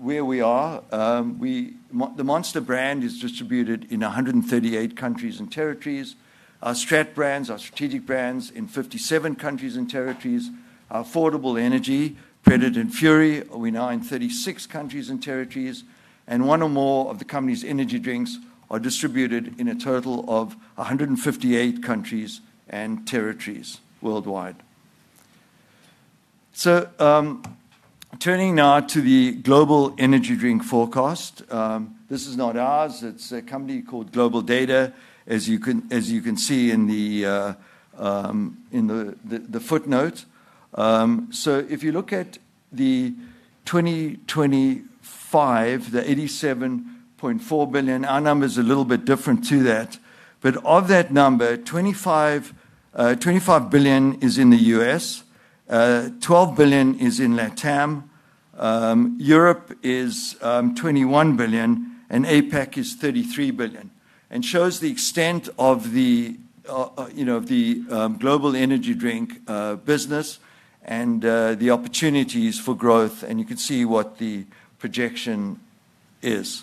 Where we are, the Monster brand is distributed in 138 countries and territories. Our Strat brands, our Strategic brands, in 57 countries and territories. Our Affordable Energy, Predator and Fury, are now in 36 countries and territories. And one or more of the company's energy drinks are distributed in a total of 158 countries and territories worldwide. So, turning now to the global energy drink forecast. This is not ours. It's a company called GlobalData, as you can see in the footnote. So, if you look at the 2025, the $87.4 billion, our number is a little bit different to that. But of that number, $25 billion is in the U.S., $12 billion is in LATAM. Europe is $21 billion, and APAC is $33 billion. And shows the extent of the global energy drink business and the opportunities for growth. And you can see what the projection is.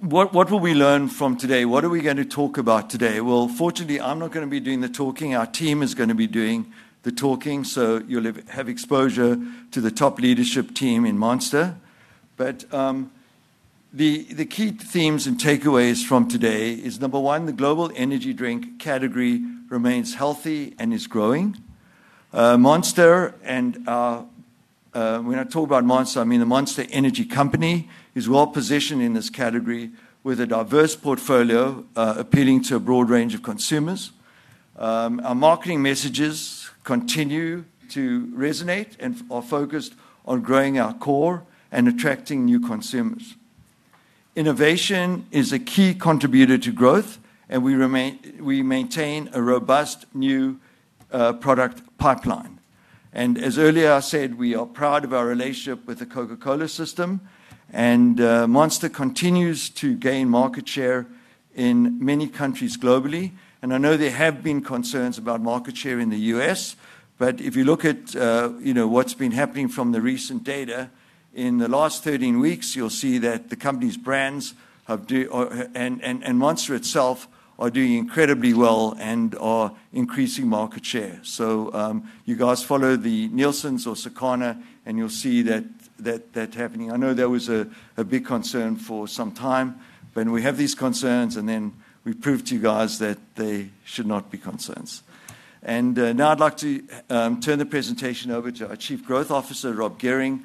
What will we learn from today? What are we going to talk about today? Fortunately, I'm not going to be doing the talking. Our team is going to be doing the talking. You'll have exposure to the top leadership team in Monster. The key themes and takeaways from today is, number one, the global energy drink category remains healthy and is growing. Monster, and when I talk about Monster, I mean the Monster Energy Company is well positioned in this category with a diverse portfolio appealing to a broad range of consumers. Our marketing messages continue to resonate and are focused on growing our core and attracting new consumers. Innovation is a key contributor to growth, and we maintain a robust new product pipeline. As I said earlier, we are proud of our relationship with the Coca-Cola system. Monster continues to gain market share in many countries globally. I know there have been concerns about market share in the U.S. But if you look at what's been happening from the recent data in the last 13 weeks, you'll see that the company's brands and Monster itself are doing incredibly well and are increasing market share. So, you guys follow the Nielsen's or Circana, and you'll see that happening. I know there was a big concern for some time. But we have these concerns, and then we proved to you guys that they should not be concerns. Now I'd like to turn the presentation over to our Chief Growth Officer, Rob Gehring.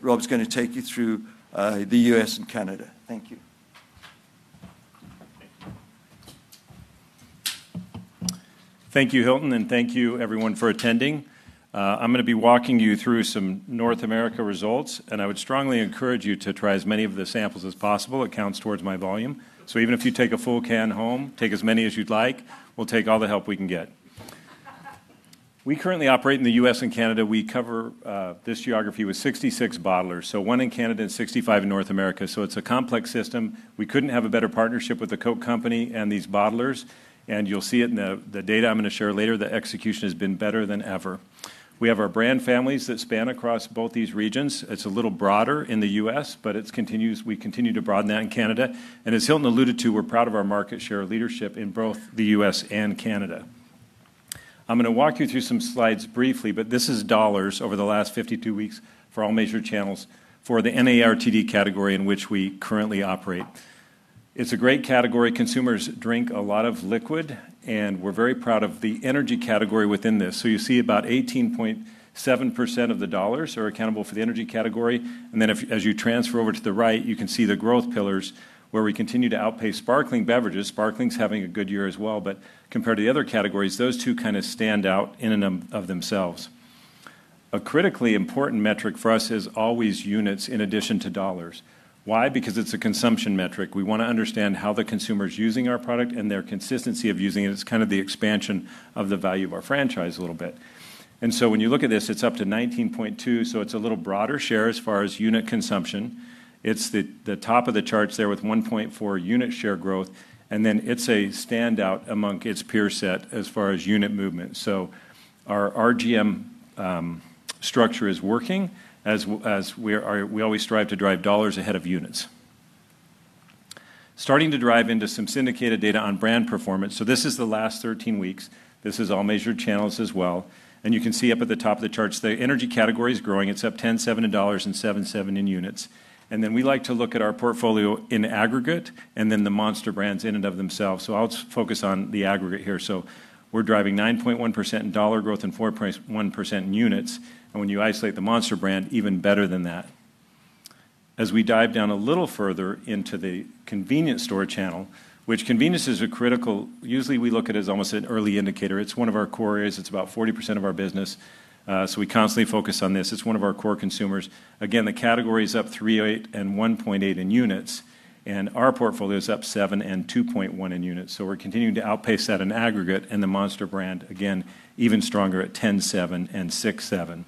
Rob's going to take you through the U.S. and Canada. Thank you. Thank you, Hilton, and thank you, everyone, for attending. I'm going to be walking you through some North America results, and I would strongly encourage you to try as many of the samples as possible. It counts towards my volume. So even if you take a full can home, take as many as you'd like; we'll take all the help we can get. We currently operate in the U.S. and Canada. We cover this geography with 66 bottlers, so one in Canada and 65 in North America. It's a complex system. We couldn't have a better partnership with the Coca-Cola Company and these bottlers, and you'll see it in the data I'm going to share later. The execution has been better than ever. We have our brand families that span across both these regions. It's a little broader in the U.S., but we continue to broaden that in Canada. As Hilton alluded to, we're proud of our market share leadership in both the U.S. and Canada. I'm going to walk you through some slides briefly. This is dollars over the last 52 weeks for all major channels for the NARTD category in which we currently operate. It's a great category. Consumers drink a lot of liquid. We're very proud of the energy category within this. You see about 18.7% of the dollars are accountable for the energy category. Then, as you transfer over to the right, you can see the growth pillars, where we continue to outpace sparkling beverages. Sparkling's having a good year as well. Compared to the other categories, those two kind of stand out in and of themselves. A critically important metric for us is always units in addition to dollars. Why? Because it's a consumption metric. We want to understand how the consumer's using our product and their consistency of using it. It's kind of the expansion of the value of our franchise a little bit. And so, when you look at this, it's up to 19.2%. So, it's a little broader share as far as unit consumption. It's the top of the charts there with 1.4% unit share growth. And then, it's a standout among its peer set as far as unit movement. So, our RGM structure is working, as we always strive to drive dollars ahead of units. Starting to drive into some syndicated data on brand performance. So, this is the last 13 weeks. This is all measured channels as well. And you can see up at the top of the charts, the energy category's growing. It's up $10.7 and 7.7% in units. And then, we like to look at our portfolio in aggregate and then the Monster brands in and of themselves. So, I'll focus on the aggregate here. So, we're driving 9.1% in dollar growth and 4.1% in units. And when you isolate the Monster brand, even better than that. As we dive down a little further into the convenience store channel, which convenience is a critical, usually we look at it as almost an early indicator. It's one of our core areas. It's about 40% of our business. So, we constantly focus on this. It's one of our core consumers. Again, the category's up 3.8% and 1.8% in units. And our portfolio's up 7% and 2.1% in units. So, we're continuing to outpace that in aggregate. And the Monster brand, again, even stronger at 10.7% and 6.7%.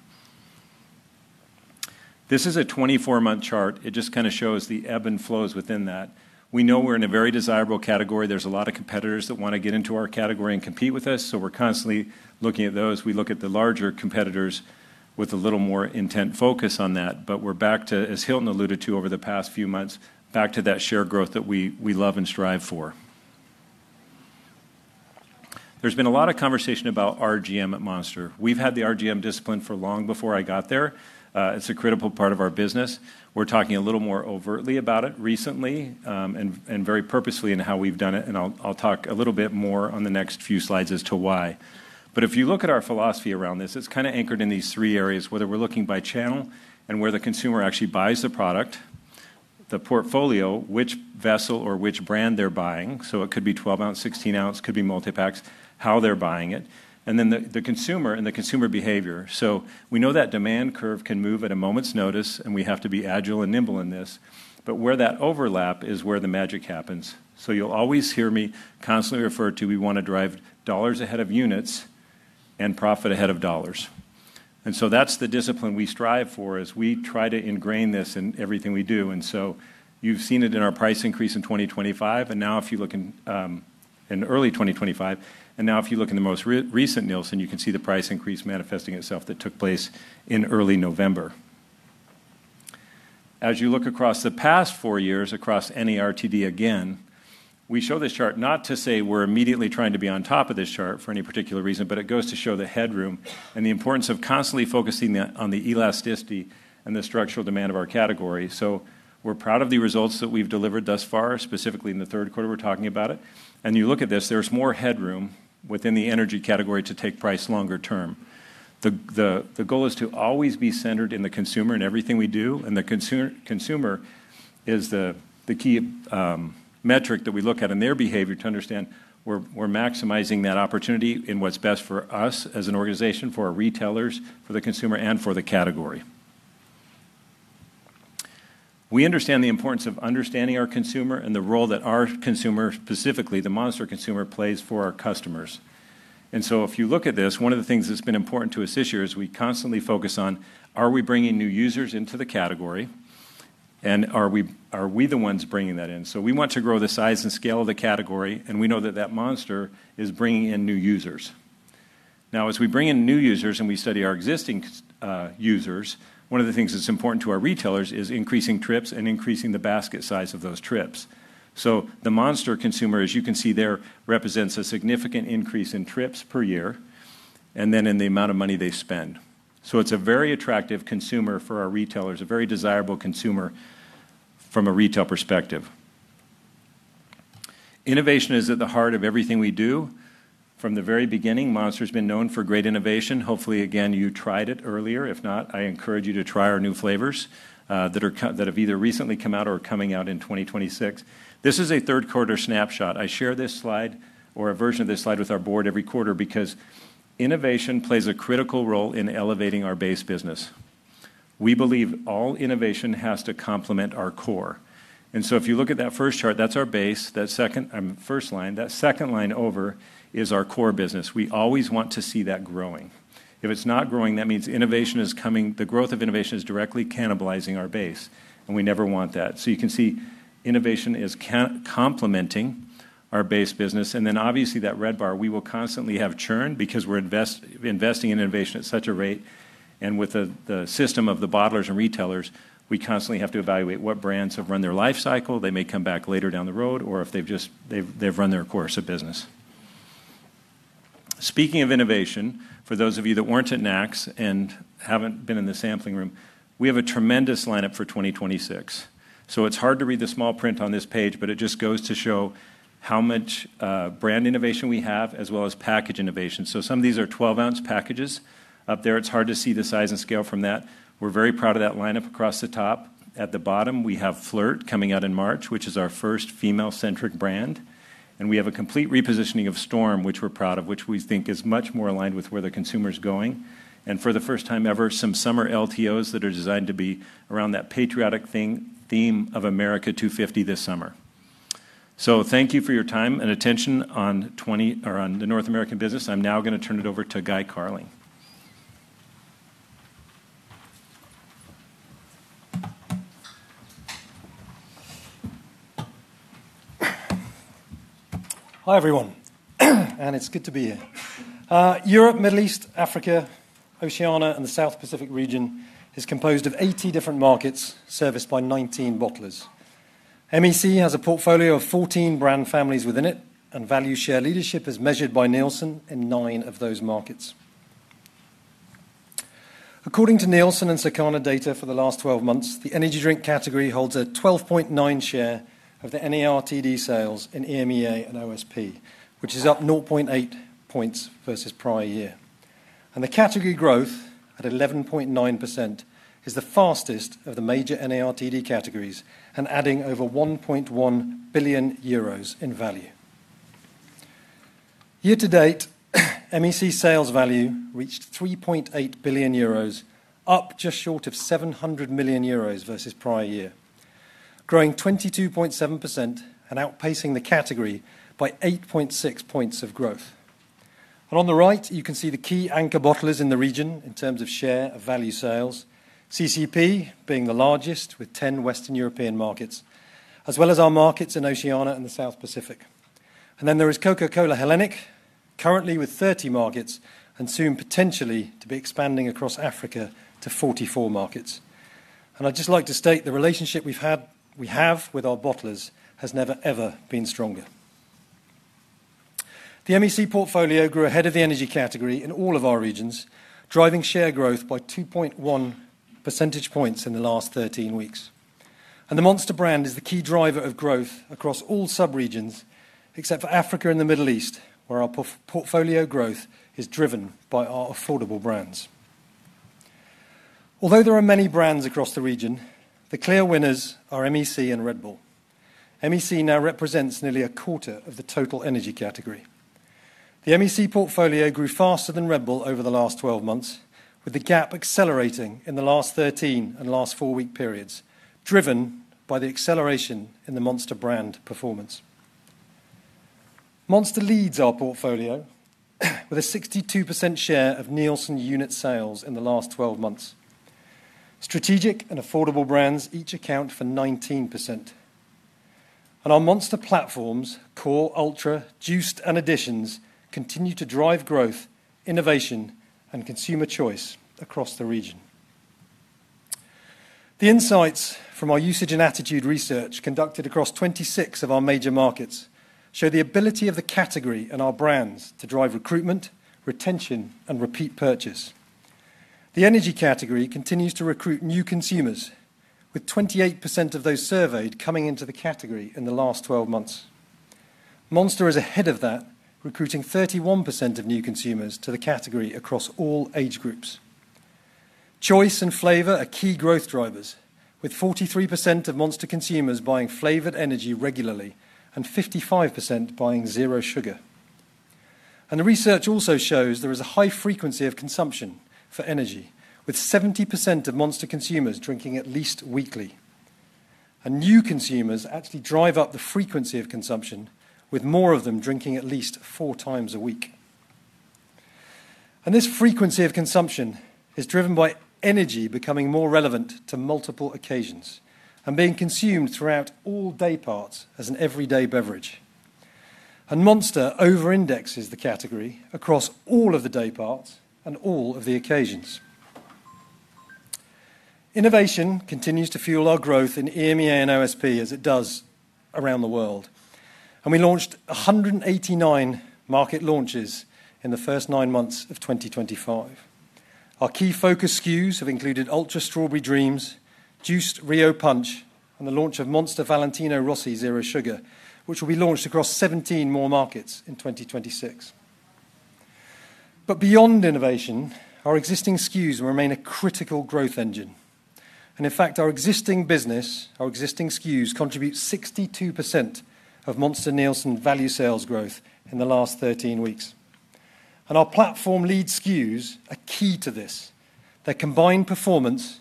This is a 24-month chart. It just kind of shows the ebbs and flows within that. We know we're in a very desirable category. There's a lot of competitors that want to get into our category and compete with us. So, we're constantly looking at those. We look at the larger competitors with a little more intense focus on that. But we're back to, as Hilton alluded to over the past few months, back to that share growth that we love and strive for. There's been a lot of conversation about RGM at Monster. We've had the RGM discipline for long before I got there. It's a critical part of our business. We're talking a little more overtly about it recently and very purposefully in how we've done it. And I'll talk a little bit more on the next few slides as to why. But if you look at our philosophy around this, it's kind of anchored in these three areas: whether we're looking by channel and where the consumer actually buys the product, the portfolio, which vessel or which brand they're buying. So, it could be 12-ounce, 16-ounce, could be multi-packs, how they're buying it, and then the consumer and the consumer behavior. So, we know that demand curve can move at a moment's notice, and we have to be agile and nimble in this. But where that overlap is where the magic happens. So, you'll always hear me constantly refer to we want to drive dollars ahead of units and profit ahead of dollars. And so, that's the discipline we strive for as we try to ingrain this in everything we do. And so, you've seen it in our price increase in 2025. Now, if you look in early 2025, and now, if you look in the most recent Nielsen, you can see the price increase manifesting itself that took place in early November. As you look across the past four years across NARTD, again, we show this chart not to say we're immediately trying to be on top of this chart for any particular reason, but it goes to show the headroom and the importance of constantly focusing on the elasticity and the structural demand of our category. We're proud of the results that we've delivered thus far, specifically in the third quarter. We're talking about it. You look at this, there's more headroom within the energy category to take price longer term. The goal is to always be centered in the consumer in everything we do. The consumer is the key metric that we look at in their behavior to understand we're maximizing that opportunity in what's best for us as an organization, for our retailers, for the consumer, and for the category. We understand the importance of understanding our consumer and the role that our consumer, specifically the Monster consumer, plays for our customers. So, if you look at this, one of the things that's been important to us this year is we constantly focus on, are we bringing new users into the category? And are we the ones bringing that in? We want to grow the size and scale of the category. We know that that Monster is bringing in new users. Now, as we bring in new users and we study our existing users, one of the things that's important to our retailers is increasing trips and increasing the basket size of those trips. So, the Monster consumer, as you can see there, represents a significant increase in trips per year and then in the amount of money they spend. So, it's a very attractive consumer for our retailers, a very desirable consumer from a retail perspective. Innovation is at the heart of everything we do. From the very beginning, Monster's been known for great innovation. Hopefully, again, you tried it earlier. If not, I encourage you to try our new flavors that have either recently come out or are coming out in 2026. This is a third-quarter snapshot. I share this slide or a version of this slide with our board every quarter because innovation plays a critical role in elevating our base business. We believe all innovation has to complement our core. And so, if you look at that first chart, that's our base. That second, first line, that second line over is our core business. We always want to see that growing. If it's not growing, that means innovation is coming. The growth of innovation is directly cannibalizing our base. And we never want that. So, you can see innovation is complementing our base business. And then, obviously, that red bar, we will constantly have churn because we're investing in innovation at such a rate. And with the system of the bottlers and retailers, we constantly have to evaluate what brands have run their life cycle. They may come back later down the road, or if they've just run their course of business. Speaking of innovation, for those of you that weren't at NACS and haven't been in the sampling room, we have a tremendous lineup for 2026. So, it's hard to read the small print on this page, but it just goes to show how much brand innovation we have, as well as package innovation. So, some of these are 12-ounce packages up there. It's hard to see the size and scale from that. We're very proud of that lineup across the top. At the bottom, we have FLRT coming out in March, which is our first female-centric brand. And we have a complete repositioning of Storm, which we're proud of, which we think is much more aligned with where the consumer's going. For the first time ever, some summer LTOs that are designed to be around that patriotic theme of America 250 this summer. Thank you for your time and attention on the North American business. I'm now going to turn it over to Guy Carling. Hi, everyone. It's good to be here. Europe, Middle East, Africa, Oceania, and the South Pacific region is composed of 80 different markets serviced by 19 bottlers. MEC has a portfolio of 14 brand families within it. Value share leadership is measured by Nielsen in nine of those markets. According to Nielsen and Circana data for the last 12 months, the energy drink category holds a 12.9 share of the NARTD sales in EMEA and OSP, which is up 0.8 points versus prior year. The category growth at 11.9% is the fastest of the major NARTD categories and adding over 1.1 billion euros in value. Year to date, MEC sales value reached 3.8 billion euros, up just short of 700 million euros versus prior year, growing 22.7% and outpacing the category by 8.6 points of growth. On the right, you can see the key anchor bottlers in the region in terms of share of value sales, CCEP being the largest with 10 Western European markets, as well as our markets in Oceania and the South Pacific. And then there is Coca-Cola Hellenic, currently with 30 markets and soon potentially to be expanding across Africa to 44 markets. And I'd just like to state the relationship we've had, we have with our bottlers has never, ever been stronger. The MEC portfolio grew ahead of the energy category in all of our regions, driving share growth by 2.1 percentage points in the last 13 weeks. And the Monster brand is the key driver of growth across all subregions except for Africa and the Middle East, where our portfolio growth is driven by our affordable brands. Although there are many brands across the region, the clear winners are MEC and Red Bull. MEC now represents nearly a quarter of the total energy category. The MEC portfolio grew faster than Red Bull over the last 12 months, with the gap accelerating in the last 13 and last four-week periods, driven by the acceleration in the Monster brand performance. Monster leads our portfolio with a 62% share of Nielsen unit sales in the last 12 months. Strategic and affordable brands each account for 19%, and our Monster platforms, Core, Ultra, Juiced, and Editions continue to drive growth, innovation, and consumer choice across the region. The insights from our usage and attitude research conducted across 26 of our major markets show the ability of the category and our brands to drive recruitment, retention, and repeat purchase. The energy category continues to recruit new consumers, with 28% of those surveyed coming into the category in the last 12 months. Monster is ahead of that, recruiting 31% of new consumers to the category across all age groups. Choice and flavor are key growth drivers, with 43% of Monster consumers buying flavored energy regularly and 55% buying zero sugar. And the research also shows there is a high frequency of consumption for energy, with 70% of Monster consumers drinking at least weekly. And new consumers actually drive up the frequency of consumption, with more of them drinking at least four times a week. And this frequency of consumption is driven by energy becoming more relevant to multiple occasions and being consumed throughout all day parts as an everyday beverage. And Monster over-indexes the category across all of the day parts and all of the occasions. Innovation continues to fuel our growth in EMEA and OSP as it does around the world. And we launched 189 market launches in the first nine months of 2025. Our key focus SKUs have included Ultra Strawberry Dreams, Juiced Rio Punch, and the launch of Monster Valentino Rossi Zero Sugar, which will be launched across 17 more markets in 2026. But beyond innovation, our existing SKUs will remain a critical growth engine. And in fact, our existing business, our existing SKUs contribute 62% of Monster Nielsen value sales growth in the last 13 weeks. And our platform lead SKUs are key to this. They're combined performance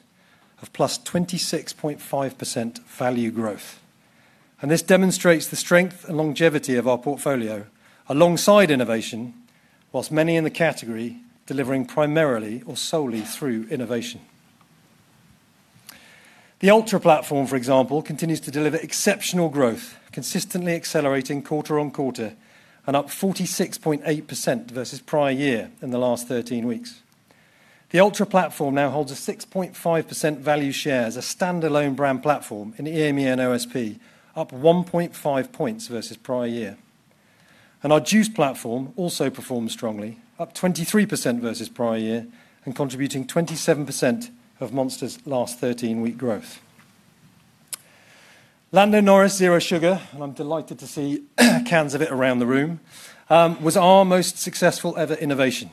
of plus 26.5% value growth. And this demonstrates the strength and longevity of our portfolio alongside innovation, whilst many in the category delivering primarily or solely through innovation. The Ultra platform, for example, continues to deliver exceptional growth, consistently accelerating quarter on quarter and up 46.8% versus prior year in the last 13 weeks. The Ultra platform now holds a 6.5% value share as a standalone brand platform in EMEA and OSP, up 1.5 points versus prior year. And our Juiced platform also performs strongly, up 23% versus prior year and contributing 27% of Monster's last 13-week growth. Lando Norris Zero Sugar, and I'm delighted to see cans of it around the room, was our most successful ever innovation.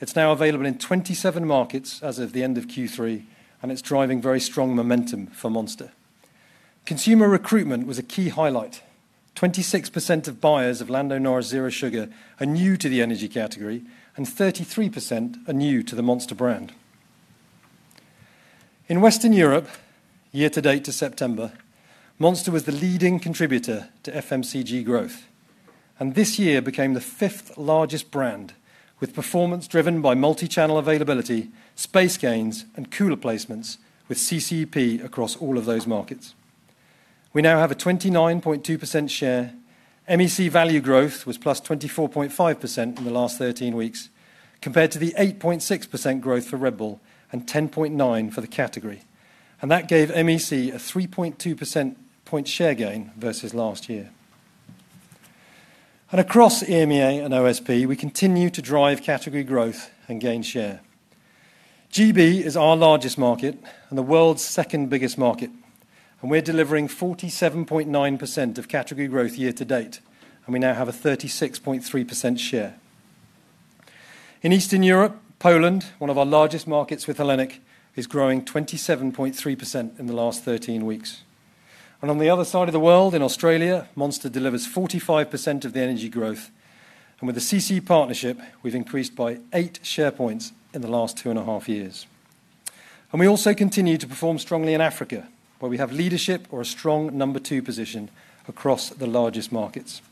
It's now available in 27 markets as of the end of Q3, and it's driving very strong momentum for Monster. Consumer recruitment was a key highlight. 26% of buyers of Lando Norris Zero Sugar are new to the energy category and 33% are new to the Monster brand. In Western Europe, year to date to September, Monster was the leading contributor to FMCG growth, and this year became the fifth largest brand, with performance driven by multi-channel availability, space gains, and cooler placements with CCEP across all of those markets. We now have a 29.2% share. MEC value growth was plus 24.5% in the last 13 weeks, compared to the 8.6% growth for Red Bull and 10.9% for the category, and that gave MEC a 3.2% point share gain versus last year, and across EMEA and OSP, we continue to drive category growth and gain share. GB is our largest market and the world's second biggest market, and we're delivering 47.9% of category growth year to date, and we now have a 36.3% share. In Eastern Europe, Poland, one of our largest markets with Hellenic, is growing 27.3% in the last 13 weeks. And on the other side of the world, in Australia, Monster delivers 45% of the energy growth. And with the CC partnership, we've increased by eight share points in the last two and a half years. And we also continue to perform strongly in Africa, where we have leadership or a strong number two position across the largest markets.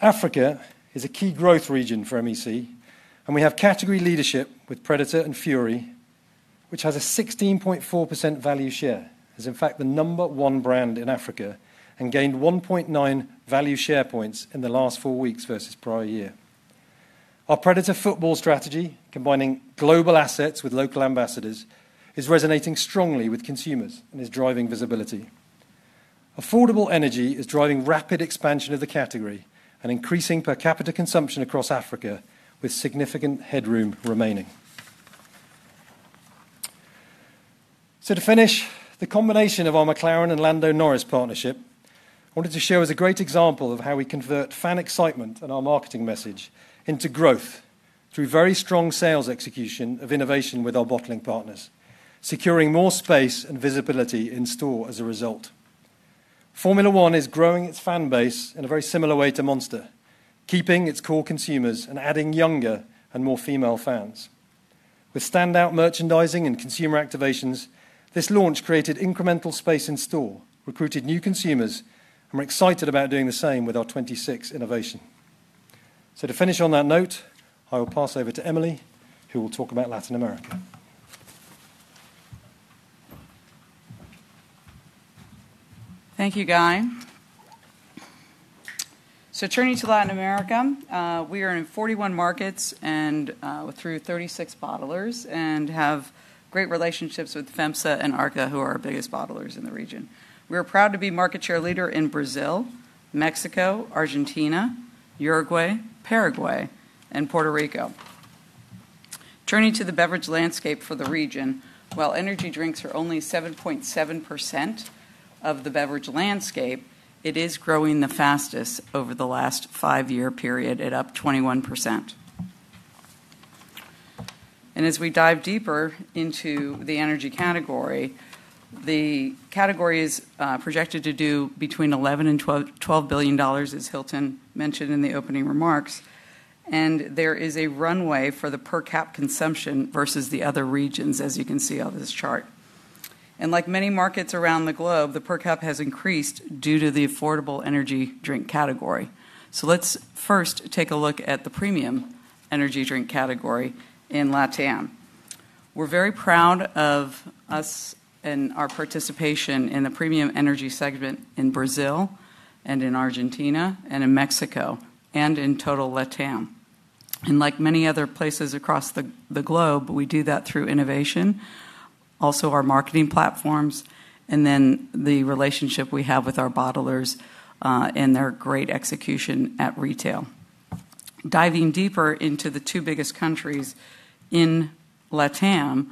Africa is a key growth region for MEC. And we have category leadership with Predator and Fury, which has a 16.4% value share, is in fact the number one brand in Africa, and gained 1.9 value share points in the last four weeks versus prior year. Our Predator football strategy, combining global assets with local ambassadors, is resonating strongly with consumers and is driving visibility. Affordable energy is driving rapid expansion of the category and increasing per capita consumption across Africa, with significant headroom remaining. So to finish, the combination of our McLaren and Lando Norris partnership, I wanted to show as a great example of how we convert fan excitement and our marketing message into growth through very strong sales execution of innovation with our bottling partners, securing more space and visibility in store as a result. Formula 1 is growing its fan base in a very similar way to Monster, keeping its core consumers and adding younger and more female fans. With standout merchandising and consumer activations, this launch created incremental space in store, recruited new consumers, and we're excited about doing the same with our 2026 innovation. So to finish on that note, I will pass over to Emilie, who will talk about Latin America. Thank you, Guy. So turning to Latin America, we are in 41 markets and through 36 bottlers and have great relationships with FEMSA and Arca, who are our biggest bottlers in the region. We are proud to be market share leader in Brazil, Mexico, Argentina, Uruguay, Paraguay, and Puerto Rico. Turning to the beverage landscape for the region, while energy drinks are only 7.7% of the beverage landscape, it is growing the fastest over the last five-year period at up 21%. And as we dive deeper into the energy category, the category is projected to do between $11 billion and $12 billion, as Hilton mentioned in the opening remarks. And there is a runway for the per cap consumption versus the other regions, as you can see on this chart. And like many markets around the globe, the per cap has increased due to the affordable energy drink category. So let's first take a look at the premium energy drink category in LATAM. We're very proud of us and our participation in the premium energy segment in Brazil and in Argentina and in Mexico and in total LATAM. And like many other places across the globe, we do that through innovation, also our marketing platforms, and then the relationship we have with our bottlers and their great execution at retail. Diving deeper into the two biggest countries in LATAM,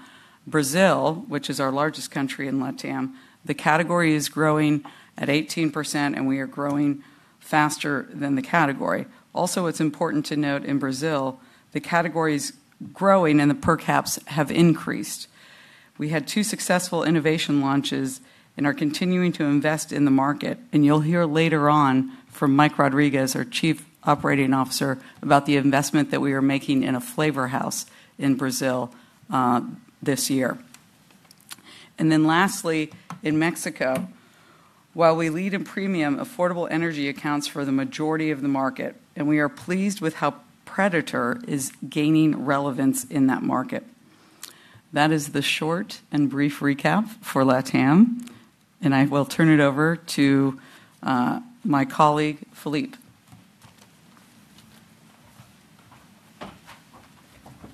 Brazil, which is our largest country in LATAM, the category is growing at 18%, and we are growing faster than the category. Also, it's important to note in Brazil, the category is growing and the per caps have increased. We had two successful innovation launches and are continuing to invest in the market. And you'll hear later on from Mike Rodriguez, our Chief Operating Officer, about the investment that we are making in a flavor house in Brazil this year. And then lastly, in Mexico, while we lead in premium affordable energy accounts for the majority of the market, and we are pleased with how Predator is gaining relevance in that market. That is the short and brief recap for LATAM. And I will turn it over to my colleague, Philippe.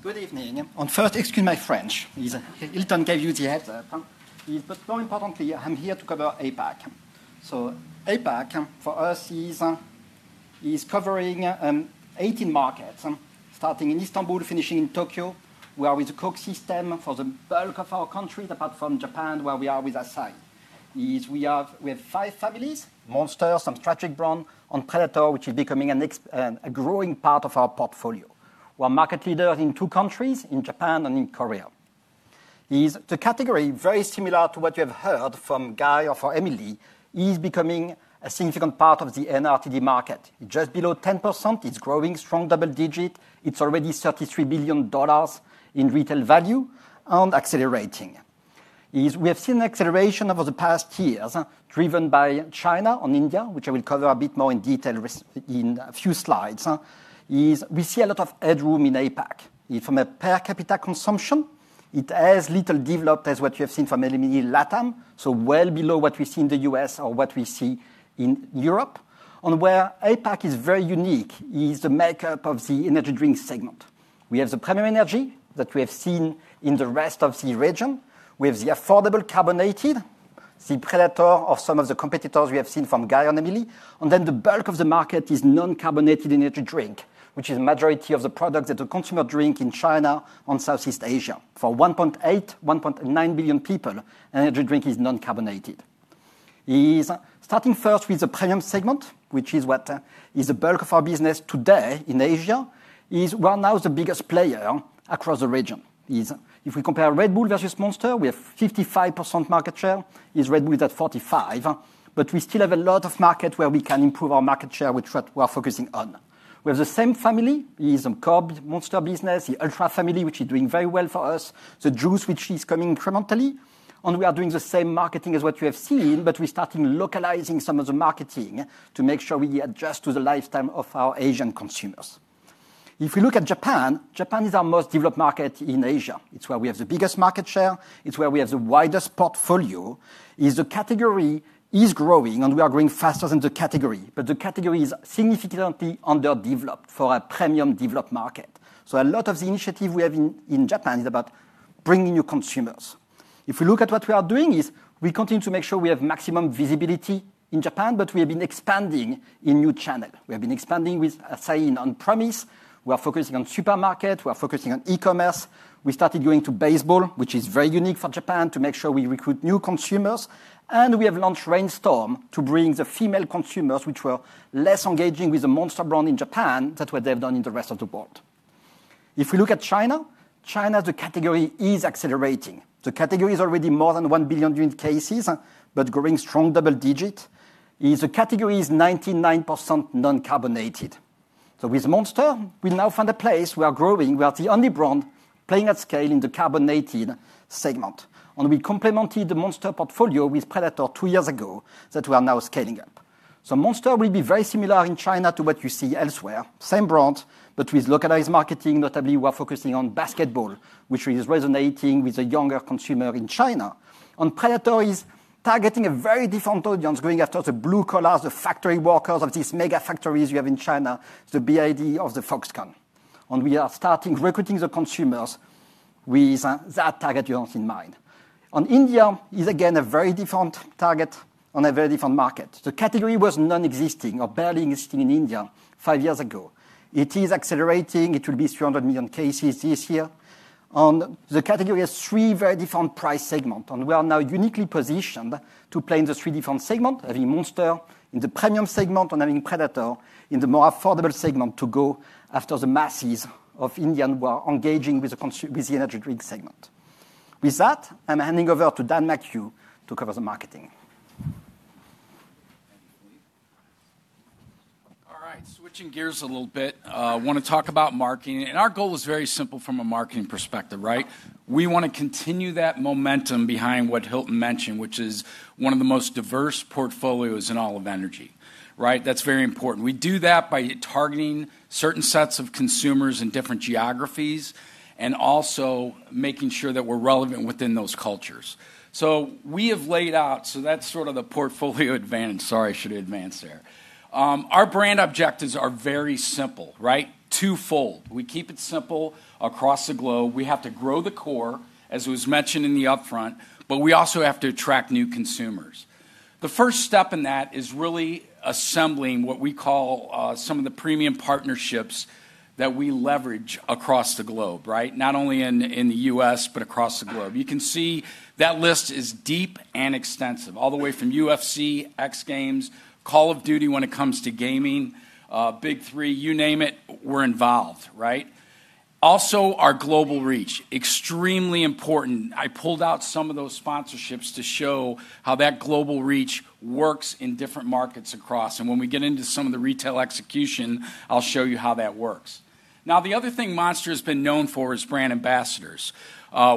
Good evening. Oh, first, excuse my French. Hilton gave you the heads up. But more importantly, I'm here to cover APAC. So APAC, for us, is covering 18 markets, starting in Istanbul, finishing in Tokyo. We are with the Coke system for the bulk of our country, apart from Japan, where we are with Asahi. We have five families. Monster, some Strategic Brand, and Predator, which is becoming a growing part of our portfolio. We are market leaders in two countries, in Japan and in Korea. The category, very similar to what you have heard from Guy or from Emilie, is becoming a significant part of the NARTD market. Just below 10%, it's growing strong double-digit. It's already $33 billion in retail value and accelerating. We have seen an acceleration over the past years, driven by China and India, which I will cover a bit more in detail in a few slides. We see a lot of headroom in APAC. From a per capita consumption, it has little developed as what you have seen from Emilie in LATAM, so well below what we see in the U.S. or what we see in Europe, and where APAC is very unique is the makeup of the energy drink segment. We have the premium energy that we have seen in the rest of the region. We have the affordable carbonated, the Predator, or some of the competitors we have seen from Guy and Emilie, and then the bulk of the market is non-carbonated energy drink, which is the majority of the products that the consumer drinks in China and Southeast Asia. For 1.8-1.9 billion people, energy drink is non-carbonated. Starting first with the premium segment, which is what is the bulk of our business today in Asia, is right now the biggest player across the region. If we compare Red Bull versus Monster, we have 55% market share. Red Bull is at 45%. But we still have a lot of market where we can improve our market share, which we are focusing on. We have the same family. It is a core Monster business, the Ultra family, which is doing very well for us, the Juiced, which is coming incrementally. And we are doing the same marketing as what you have seen, but we're starting localizing some of the marketing to make sure we adjust to the lifestyle of our Asian consumers. If we look at Japan, Japan is our most developed market in Asia. It's where we have the biggest market share. It's where we have the widest portfolio. The category is growing, and we are growing faster than the category. But the category is significantly underdeveloped for a premium developed market. So a lot of the initiative we have in Japan is about bringing new consumers. If we look at what we are doing, we continue to make sure we have maximum visibility in Japan, but we have been expanding in new channels. We have been expanding with Asahi on premise. We are focusing on supermarkets. We are focusing on e-commerce. We started going to baseball, which is very unique for Japan, to make sure we recruit new consumers. And we have launched Reign Storm to bring the female consumers, which were less engaging with the Monster brand in Japan, than what they have done in the rest of the world. If we look at China, China's category is accelerating. The category is already more than 1 billion unit cases, but growing strong double-digit. The category is 99% non-carbonated. So with Monster, we now find a place we are growing. We are the only brand playing at scale in the carbonated segment. And we complemented the Monster portfolio with Predator two years ago that we are now scaling up. So Monster will be very similar in China to what you see elsewhere. Same brand, but with localized marketing. Notably, we are focusing on basketball, which is resonating with the younger consumer in China. And Predator is targeting a very different audience, going after the blue collars, the factory workers of these mega factories we have in China, the [bid] of the Foxconn. And we are starting recruiting the consumers with that target audience in mind. India is again a very different target on a very different market. The category was non-existing or barely existing in India five years ago. It is accelerating. It will be 300 million cases this year. The category has three very different price segments. We are now uniquely positioned to play in the three different segments, having Monster in the premium segment and having Predator in the more affordable segment to go after the masses of Indians who are engaging with the energy drink segment. With that, I'm handing over to Dan McHugh to cover the marketing. All right. Switching gears a little bit. I want to talk about marketing. And our goal is very simple from a marketing perspective, right? We want to continue that momentum behind what Hilton mentioned, which is one of the most diverse portfolios in all of energy. That's very important. We do that by targeting certain sets of consumers in different geographies and also making sure that we're relevant within those cultures. So that's sort of the portfolio advantage. Sorry, I should advance there. Our brand objectives are very simple, twofold. We keep it simple across the globe. We have to grow the core, as was mentioned in the upfront, but we also have to attract new consumers. The first step in that is really assembling what we call some of the premium partnerships that we leverage across the globe, not only in the U.S., but across the globe. You can see that list is deep and extensive, all the way from UFC, X Games, Call of Duty when it comes to gaming, Big3, you name it, we're involved. Also, our global reach, extremely important. I pulled out some of those sponsorships to show how that global reach works in different markets across, and when we get into some of the retail execution, I'll show you how that works. Now, the other thing Monster has been known for is brand ambassadors.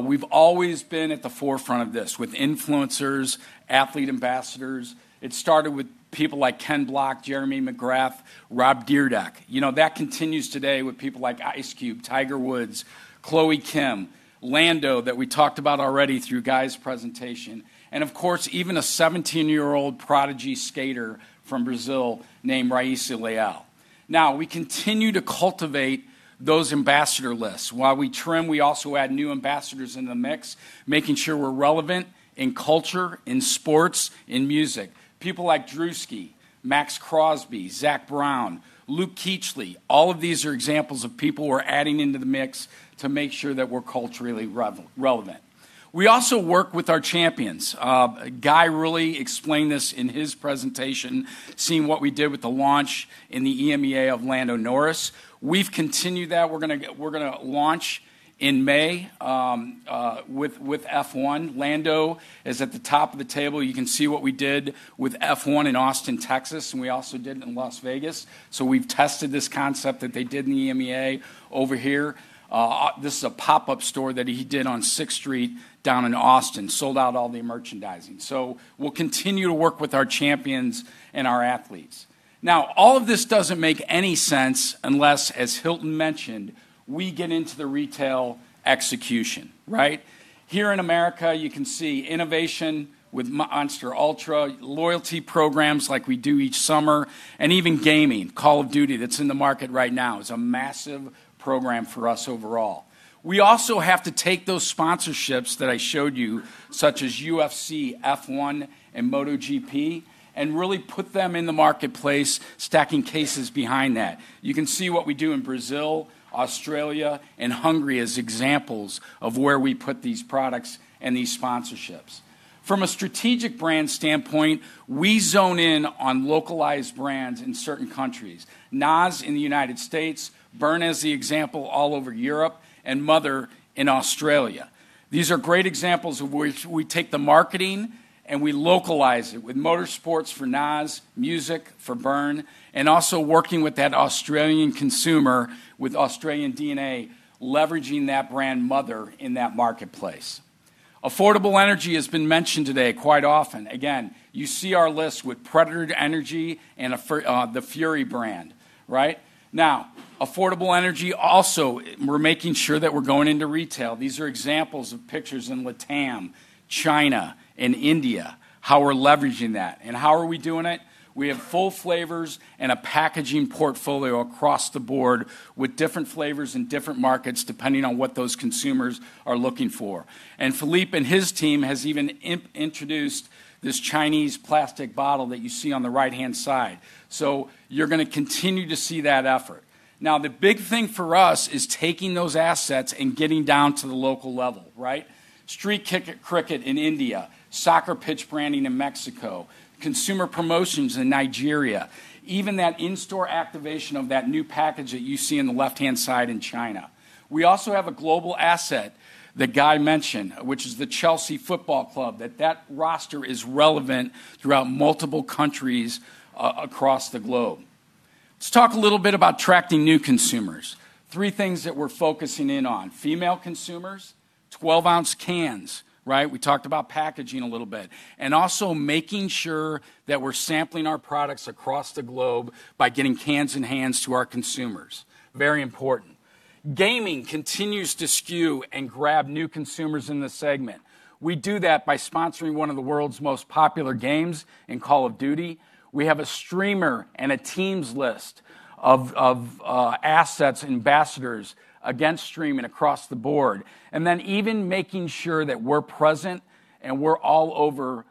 We've always been at the forefront of this with influencers, athlete ambassadors. It started with people like Ken Block, Jeremy McGrath, Rob Dyrdek. That continues today with people like Ice Cube, Tiger Woods, Chloe Kim, Lando that we talked about already through Guy's presentation. Of course, even a 17-year-old prodigy skater from Brazil named Rayssa Leal. Now, we continue to cultivate those ambassador lists. While we trim, we also add new ambassadors in the mix, making sure we're relevant in culture, in sports, in music. People like Druski, Maxx Crosby, Zak Brown, Luke Kuechly, all of these are examples of people we're adding into the mix to make sure that we're culturally relevant. We also work with our champions. Guy really explained this in his presentation, seeing what we did with the launch in the EMEA of Lando Norris. We've continued that. We're going to launch in May with F1. Lando is at the top of the table. You can see what we did with F1 in Austin, Texas, and we also did it in Las Vegas. So we've tested this concept that they did in the EMEA over here. This is a pop-up store that he did on 6th Street down in Austin, sold out all the merchandising. So we'll continue to work with our champions and our athletes. Now, all of this doesn't make any sense unless, as Hilton mentioned, we get into the retail execution. Here in America, you can see innovation with Monster Ultra, loyalty programs like we do each summer, and even gaming, Call of Duty that's in the market right now is a massive program for us overall. We also have to take those sponsorships that I showed you, such as UFC, F1, and MotoGP, and really put them in the marketplace, stacking cases behind that. You can see what we do in Brazil, Australia, and Hungary as examples of where we put these products and these sponsorships. From a strategic brand standpoint, we zone in on localized brands in certain countries. NOS in the United States, Burn as the example all over Europe, and Mother in Australia. These are great examples of where we take the marketing and we localize it with motorsports for NOS, music for Burn, and also working with that Australian consumer with Australian DNA, leveraging that brand Mother in that marketplace. Affordable energy has been mentioned today quite often. Again, you see our list with Predator Energy and the Fury brand. Now, affordable energy, also we're making sure that we're going into retail. These are examples of pictures in LATAM, China, and India, how we're leveraging that. And how are we doing it? We have full flavors and a packaging portfolio across the board with different flavors in different markets depending on what those consumers are looking for. And Philippe and his team have even introduced this Chinese plastic bottle that you see on the right-hand side. So you're going to continue to see that effort. Now, the big thing for us is taking those assets and getting down to the local level. Street cricket in India, soccer pitch branding in Mexico, consumer promotions in Nigeria, even that in-store activation of that new package that you see on the left-hand side in China. We also have a global asset that Guy mentioned, which is the Chelsea Football Club, that roster is relevant throughout multiple countries across the globe. Let's talk a little bit about attracting new consumers. Three things that we're focusing in on: female consumers, 12-ounce cans. We talked about packaging a little bit and also making sure that we're sampling our products across the globe by getting cans in hands to our consumers. Very important. Gaming continues to skew and grab new consumers in the segment. We do that by sponsoring one of the world's most popular games, Call of Duty. We have a streamer and a team's list of assets, ambassadors and streaming across the board, and then even making sure that we're present and we're all over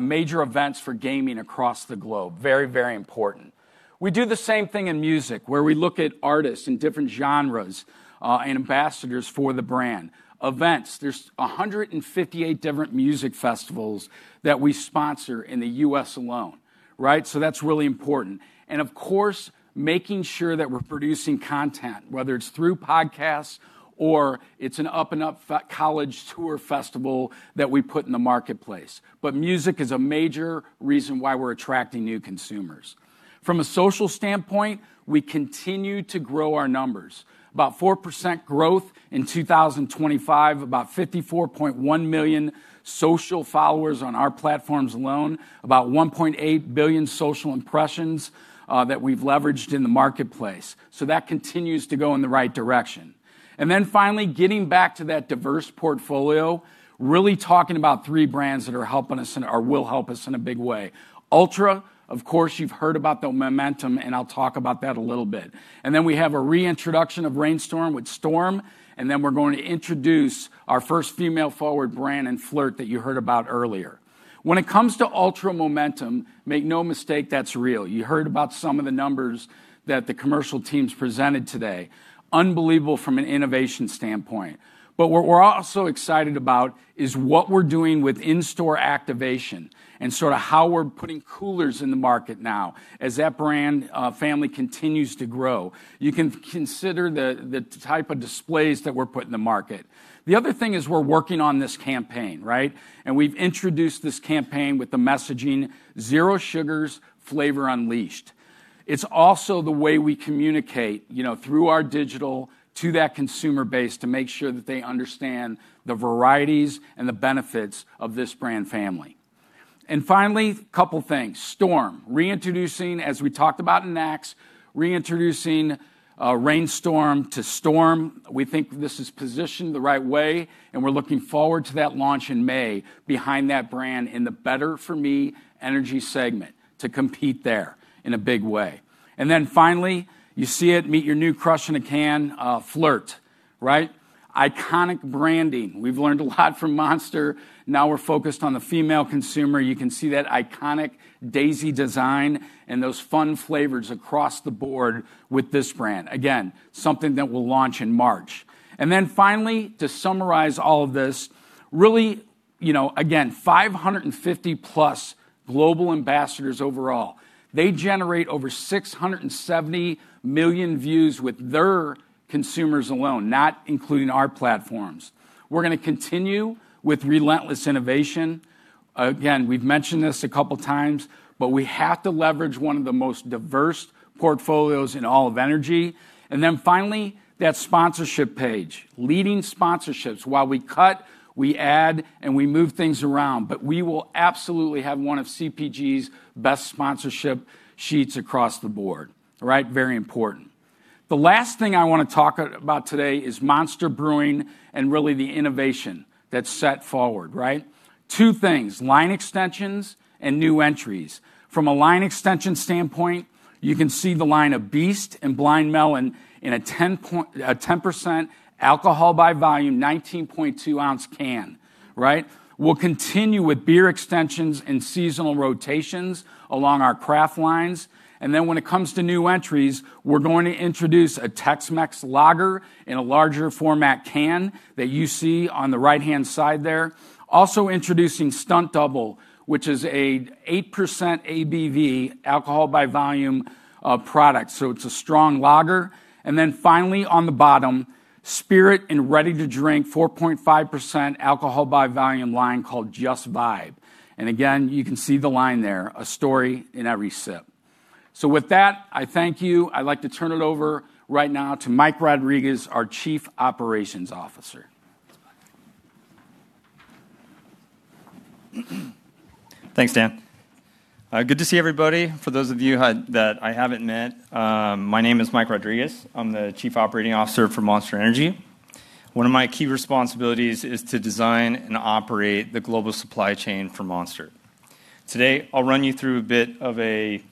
major events for gaming across the globe. Very, very important. We do the same thing in music, where we look at artists in different genres and ambassadors for the brand. Events, there's 158 different music festivals that we sponsor in the U.S. alone. That's really important. Of course, making sure that we're producing content, whether it's through podcasts or it's an up-and-coming college tour festival that we put in the marketplace. But music is a major reason why we're attracting new consumers. From a social standpoint, we continue to grow our numbers. About 4% growth in 2025, about 54.1 million social followers on our platforms alone, about 1.8 billion social impressions that we've leveraged in the marketplace. So that continues to go in the right direction. And then finally, getting back to that diverse portfolio, really talking about three brands that are helping us and will help us in a big way. Ultra, of course, you've heard about the momentum, and I'll talk about that a little bit. And then we have a reintroduction of Reign Storm with Storm, and then we're going to introduce our first female-forward brand and FLRT that you heard about earlier. When it comes to Ultra momentum, make no mistake, that's real. You heard about some of the numbers that the commercial teams presented today. Unbelievable from an innovation standpoint. But what we're also excited about is what we're doing with in-store activation and sort of how we're putting coolers in the market now as that brand family continues to grow. You can consider the type of displays that we're putting in the market. The other thing is we're working on this campaign, and we've introduced this campaign with the messaging, "Zero sugars, flavor unleashed." It's also the way we communicate through our digital to that consumer base to make sure that they understand the varieties and the benefits of this brand family, and finally, a couple of things. Storm, reintroducing, as we talked about in NACS, reintroducing Reign Storm to Storm. We think this is positioned the right way, and we're looking forward to that launch in May behind that brand in the better-for-me energy segment to compete there in a big way, and then finally, you see it, meet your new crush in a can, FLRT. Iconic branding. We've learned a lot from Monster. Now we're focused on the female consumer. You can see that iconic daisy design and those fun flavors across the board with this brand. Again, something that we'll launch in March, and then finally, to summarize all of this, really, again, 550-plus global ambassadors overall. They generate over 670 million views with their consumers alone, not including our platforms. We're going to continue with relentless innovation. Again, we've mentioned this a couple of times, but we have to leverage one of the most diverse portfolios in all of energy. And then finally, that sponsorship page, leading sponsorships while we cut, we add, and we move things around. But we will absolutely have one of CPG's best sponsorship sheets across the board. Very important. The last thing I want to talk about today is Monster Brewing and really the innovation that's set forward. Two things, line extensions and new entries. From a line extension standpoint, you can see the line of Beast and Blind Lemon in a 10% alcohol by volume, 19.2-ounce can. We'll continue with beer extensions and seasonal rotations along our craft lines. And then when it comes to new entries, we're going to introduce a Tex-Mex Lager in a larger format can that you see on the right-hand side there. Also introducing Stunt Double, which is an 8% ABV alcohol by volume product. So it's a strong lager. And then finally, on the bottom, Spirit and Ready to Drink, 4.5% alcohol by volume line called Just Vibe. And again, you can see the line there, a story in every sip. So with that, I thank you. I'd like to turn it over right now to Mike Rodriguez, our Chief Operations Officer. Thanks, Dan. Good to see everybody. For those of you that I haven't met, my name is Mike Rodriguez. I'm the Chief Operating Officer for Monster Energy. One of my key responsibilities is to design and operate the global supply chain for Monster. Today, I'll run you through a bit of an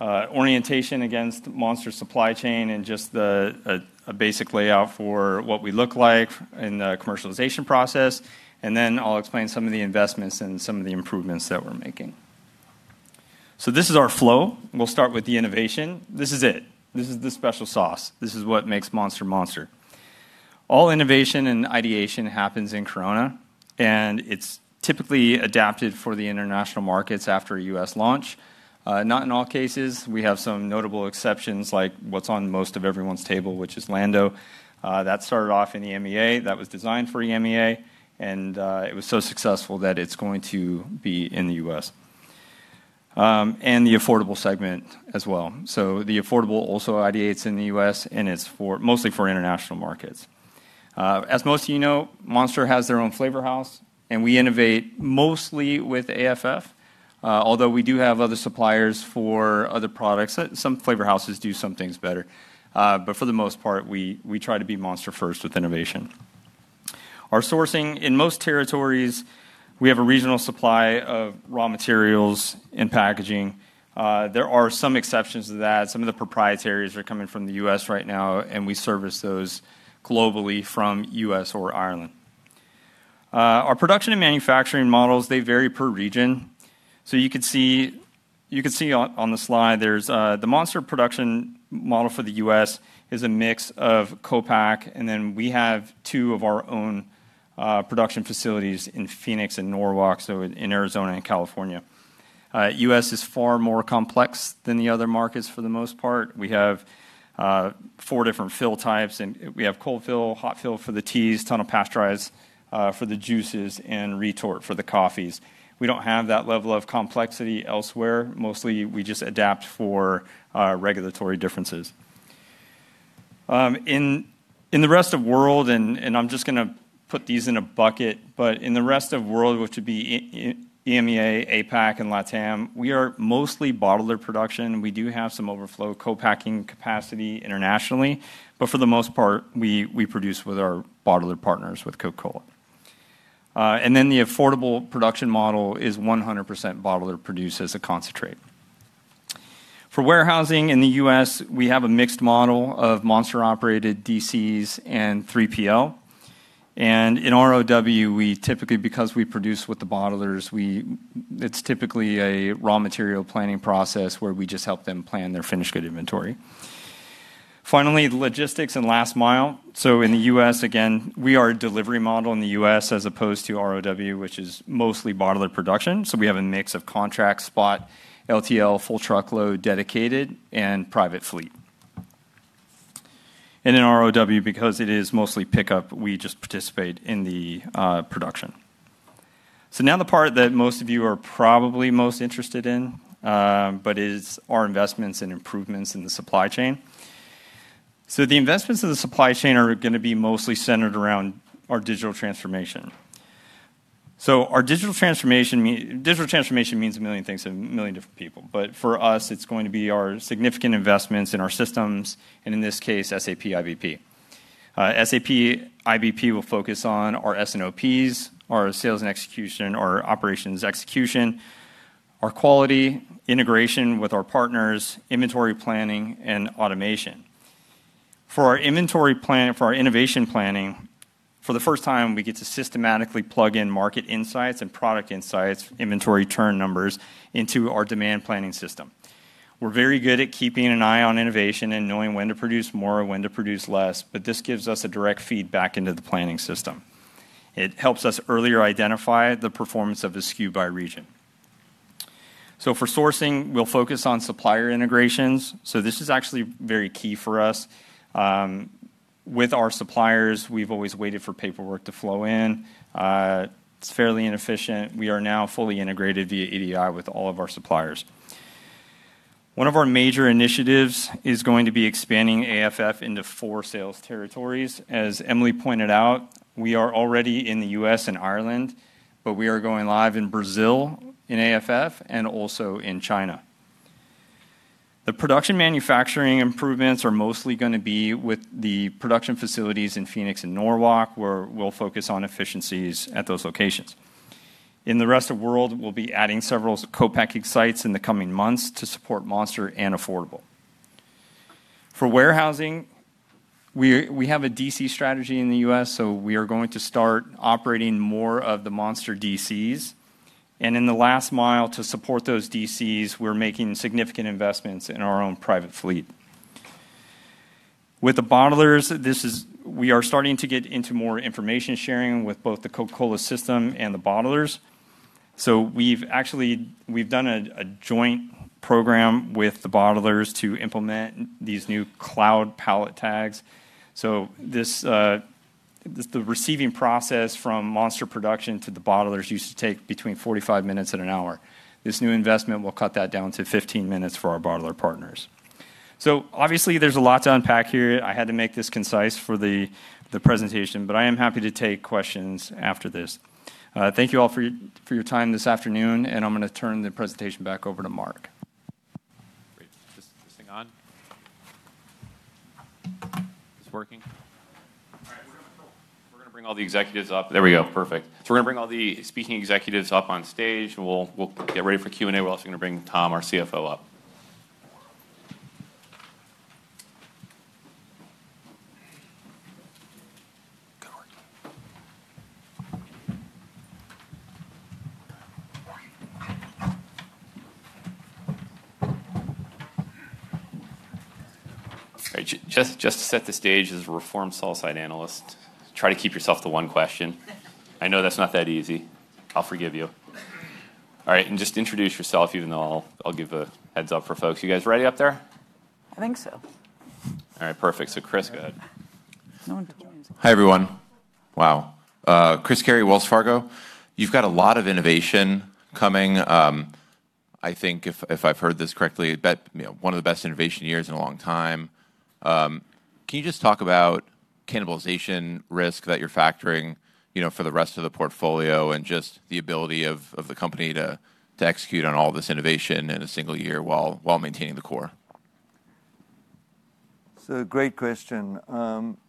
orientation against Monster's supply chain and just a basic layout for what we look like in the commercialization process. And then I'll explain some of the investments and some of the improvements that we're making. So this is our flow. We'll start with the innovation. This is it. This is the special sauce. This is what makes Monster Monster. All innovation and ideation happens in Corona, and it's typically adapted for the international markets after a U.S. launch. Not in all cases. We have some notable exceptions, like what's on most of everyone's table, which is Lando. That started off in the EMEA. That was designed for EMEA, and it was so successful that it's going to be in the U.S., and the affordable segment as well, so the affordable also ideates in the U.S., and it's mostly for international markets. As most of you know, Monster has their own flavor house, and we innovate mostly with AFF, although we do have other suppliers for other products. Some flavor houses do some things better. But for the most part, we try to be Monster first with innovation. Our sourcing in most territories, we have a regional supply of raw materials and packaging. There are some exceptions to that. Some of the proprietaries are coming from the U.S. right now, and we service those globally from U.S. or Ireland. Our production and manufacturing models, they vary per region. So you can see on the slide, the Monster production model for the U.S. is a mix of co-pack, and then we have two of our own production facilities in Phoenix and Norwalk, so in Arizona and California. U.S. is far more complex than the other markets for the most part. We have four different fill types. We have cold fill, hot fill for the teas, tunnel pasteurized for the juices, and retort for the coffees. We don't have that level of complexity elsewhere. Mostly, we just adapt for regulatory differences. In the rest of the world, and I'm just going to put these in a bucket, but in the rest of the world, which would be EMEA, APAC, and LATAM, we are mostly bottler production. We do have some overflow co-packing capacity internationally, but for the most part, we produce with our bottler partners with Coca-Cola. The affordable production model is 100% bottler produces a concentrate. For warehousing in the U.S., we have a mixed model of Monster-operated DCs and 3PL. In ROW, we typically, because we produce with the bottlers, it's typically a raw material planning process where we just help them plan their finished good inventory. Finally, logistics and last mile. In the U.S., again, we are a delivery model in the U.S. as opposed to ROW, which is mostly bottler production. We have a mix of contract spot, LTL, full truckload, dedicated, and private fleet. In ROW, because it is mostly pickup, we just participate in the production. Now the part that most of you are probably most interested in, but it's our investments and improvements in the supply chain. The investments in the supply chain are going to be mostly centered around our digital transformation. Our digital transformation means a million things to a million different people. But for us, it's going to be our significant investments in our systems, and in this case, SAP IBP. SAP IBP will focus on our S&OPs, our sales and execution, our operations execution, our quality integration with our partners, inventory planning, and automation. For our inventory planning, for our innovation planning, for the first time, we get to systematically plug in market insights and product insights, inventory turn numbers into our demand planning system. We're very good at keeping an eye on innovation and knowing when to produce more or when to produce less, but this gives us direct feedback into the planning system. It helps us earlier identify the performance of the SKU by region. For sourcing, we'll focus on supplier integrations. This is actually very key for us. With our suppliers, we've always waited for paperwork to flow in. It's fairly inefficient. We are now fully integrated via EDI with all of our suppliers. One of our major initiatives is going to be expanding AFF into four sales territories. As Emelie pointed out, we are already in the U.S. and Ireland, but we are going live in Brazil in AFF and also in China. The production manufacturing improvements are mostly going to be with the production facilities in Phoenix and Norwalk, where we'll focus on efficiencies at those locations. In the rest of the world, we'll be adding several co-packing sites in the coming months to support Monster and affordable. For warehousing, we have a DC strategy in the U.S., so we are going to start operating more of the Monster DCs. And in the last mile to support those DCs, we're making significant investments in our own private fleet. With the bottlers, we are starting to get into more information sharing with both the Coca-Cola system and the bottlers. So we've done a joint program with the bottlers to implement these new cloud pallet tags. So the receiving process from Monster production to the bottlers used to take between 45 minutes and an hour. This new investment will cut that down to 15 minutes for our bottler partners. So obviously, there's a lot to unpack here. I had to make this concise for the presentation, but I am happy to take questions after this. Thank you all for your time this afternoon, and I'm going to turn the presentation back over to Mark. Great. Just ping on. Is this working? All right. We're going to bring all the executives up. There we go. Perfect. So we're going to bring all the speaking executives up on stage, and we'll get ready for Q&A. We're also going to bring Tom, our CFO, up. Good work. All right. Just to set the stage, as a reformed sell-side analyst, try to keep yourself to one question. I know that's not that easy. I'll forgive you. All right. And just introduce yourself, even though I'll give a heads-up for folks. You guys ready up there? I think so. All right. Perfect. So Chris, go ahead. No one told me to. Hi everyone. Wow. Chris Carey, Wells Fargo. You've got a lot of innovation coming. I think, if I've heard this correctly, one of the best innovation years in a long time. Can you just talk about cannibalization risk that you're factoring for the rest of the portfolio and just the ability of the company to execute on all this innovation in a single year while maintaining the core? So, great question.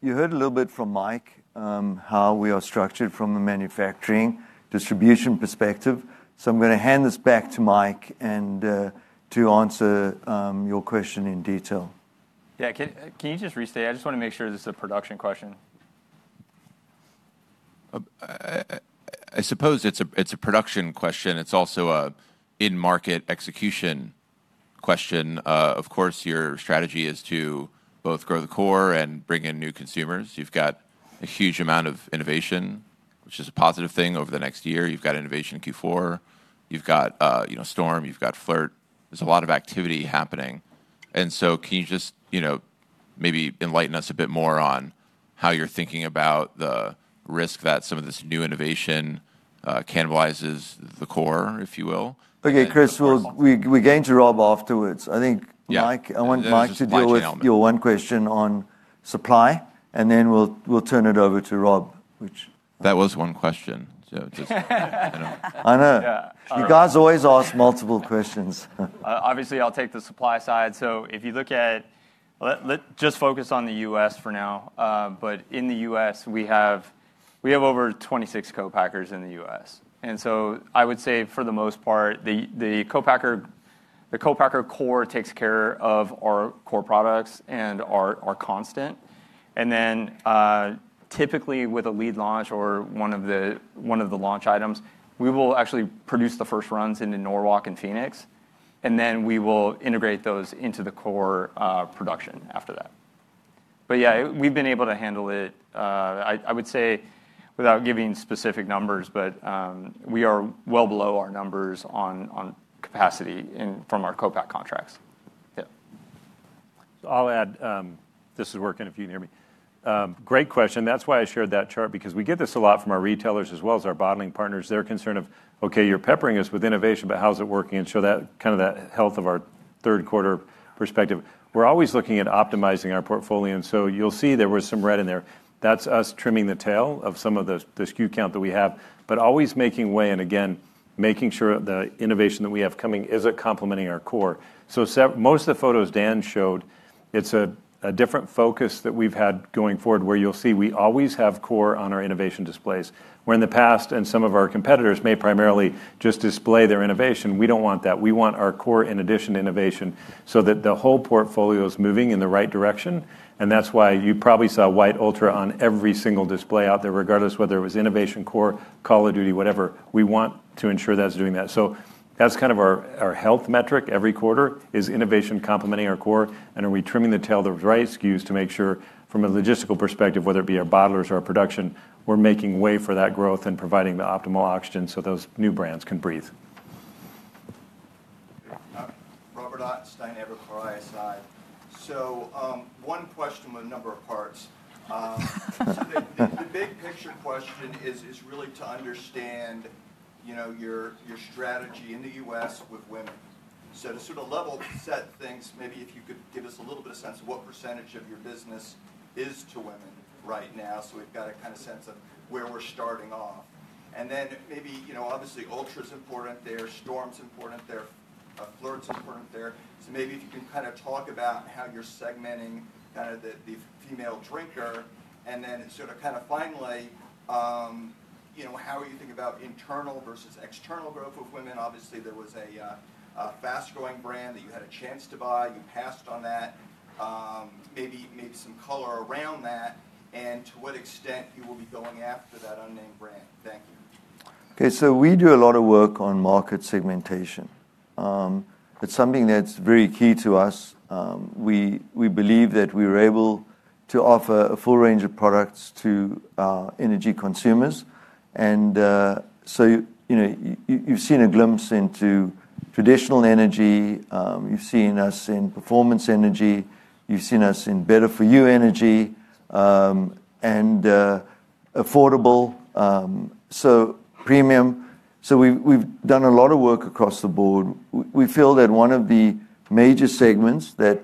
You heard a little bit from Mike how we are structured from a manufacturing distribution perspective. So, I'm going to hand this back to Mike to answer your question in detail. Yeah. Can you just restate? I just want to make sure this is a production question. I suppose it's a production question. It's also an in-market execution question. Of course, your strategy is to both grow the core and bring in new consumers. You've got a huge amount of innovation, which is a positive thing. Over the next year, you've got innovation Q4. You've got Storm. You've got FLRT. There's a lot of activity happening. And so can you just maybe enlighten us a bit more on how you're thinking about the risk that some of this new innovation cannibalizes the core, if you will? Okay, Chris, we're going to Rob afterwards. I think Mike, I want Mike to deal with your one question on supply, and then we'll turn it over to Rob, which. That was one question. I know. You guys always ask multiple questions. Obviously, I'll take the supply side. So if you look at, let's just focus on the U.S. for now. But in the U.S., we have over 26 co-packers in the U.S. And so I would say, for the most part, the co-packer core takes care of our core products and our constant. And then typically, with a lead launch or one of the launch items, we will actually produce the first runs into Norwalk and Phoenix. And then we will integrate those into the core production after that. But yeah, we've been able to handle it, I would say, without giving specific numbers, but we are well below our numbers on capacity from our co-pack contracts. Yeah. So I'll add, this is working if you can hear me. Great question. That's why I shared that chart, because we get this a lot from our retailers as well as our bottling partners. They're concerned of, "Okay, you're peppering us with innovation, but how's it working?" And show that kind of that health of our third quarter perspective. We're always looking at optimizing our portfolio. And so you'll see there was some red in there. That's us trimming the tail of some of the SKU count that we have, but always making way and again, making sure the innovation that we have coming isn't complementing our core. So most of the photos Dan showed, it's a different focus that we've had going forward where you'll see we always have core on our innovation displays. Where in the past, and some of our competitors may primarily just display their innovation, we don't want that. We want our core in addition to innovation so that the whole portfolio is moving in the right direction, and that's why you probably saw White Ultra on every single display out there, regardless whether it was innovation, core, Call of Duty, whatever. We want to ensure that's doing that. So that's kind of our health metric every quarter, is innovation complementing our core, and are we trimming the tail of the right SKUs to make sure from a logistical perspective, whether it be our bottlers or our production, we're making way for that growth and providing the optimal oxygen so those new brands can breathe. Robert Ottenstein, Evercore ISI. So one question with a number of parts. The big picture question is really to understand your strategy in the U.S. with women. So to sort of level set things, maybe if you could give us a little bit of sense of what percentage of your business is to women right now. So we've got a kind of sense of where we're starting off. And then maybe obviously Ultra is important there, Storm's important there, FLRT's important there. So maybe if you can kind of talk about how you're segmenting kind of the female drinker. And then sort of kind of finally, how are you thinking about internal versus external growth with women? Obviously, there was a fast-growing brand that you had a chance to buy. You passed on that. Maybe some color around that. And to what extent you will be going after that unnamed brand? Thank you. Okay. So we do a lot of work on market segmentation. It's something that's very key to us. We believe that we are able to offer a full range of products to energy consumers. And so you've seen a glimpse into traditional energy. You've seen us in performance energy. You've seen us in better-for-you energy and affordable, so premium. So we've done a lot of work across the board. We feel that one of the major segments that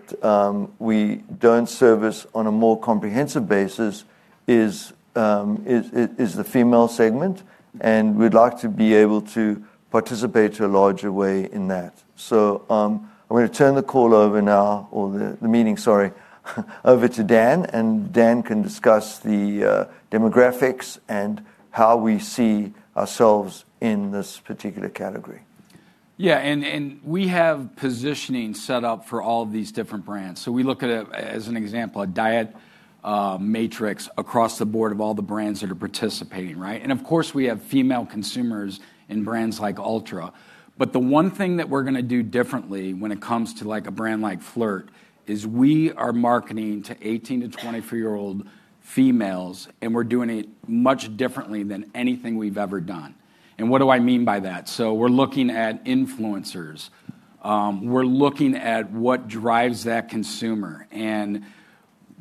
we don't service on a more comprehensive basis is the female segment. And we'd like to be able to participate in a larger way in that. So I'm going to turn the call over now, or the meeting, sorry, over to Dan. And Dan can discuss the demographics and how we see ourselves in this particular category. Yeah. And we have positioning set up for all these different brands. So we look at it as an example, a diet matrix across the board of all the brands that are participating, right? And of course, we have female consumers in brands like Ultra. But the one thing that we're going to do differently when it comes to a brand like FLRT is we are marketing to 18 to 24-year-old females. And we're doing it much differently than anything we've ever done. And what do I mean by that? So we're looking at influencers. We're looking at what drives that consumer. And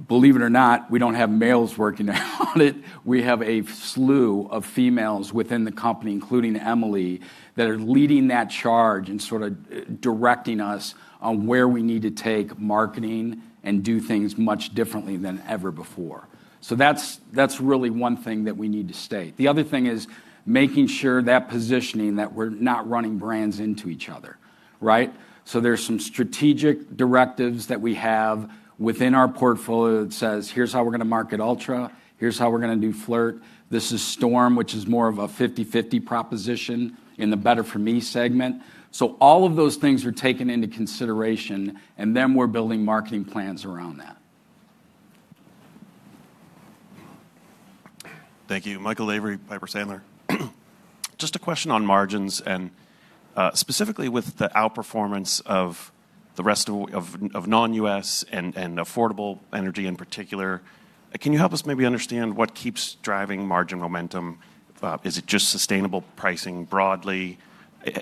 believe it or not, we don't have males working on it. We have a slew of females within the company, including Emelie, that are leading that charge and sort of directing us on where we need to take marketing and do things much differently than ever before. So that's really one thing that we need to state. The other thing is making sure that positioning that we're not running brands into each other, right? So there's some strategic directives that we have within our portfolio that says, "Here's how we're going to market Ultra. Here's how we're going to do FLRT. This is Storm, which is more of a 50/50 proposition in the better-for-me segment." So all of those things are taken into consideration. And then we're building marketing plans around that. Thank you. Michael Lavery, Piper Sandler. Just a question on margins and specifically with the outperformance of the rest of non-U.S. and affordable energy in particular. Can you help us maybe understand what keeps driving margin momentum? Is it just sustainable pricing broadly?